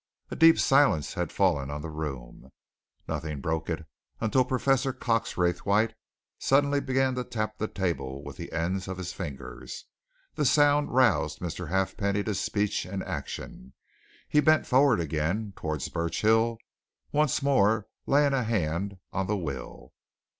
A deep silence had fallen on the room; nothing broke it until Professor Cox Raythwaite suddenly began to tap the table with the ends of his fingers. The sound roused Mr. Halfpenny to speech and action. He bent forward again towards Burchill, once more laying a hand on the will.